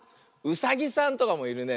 ウサギさんとかもいるね。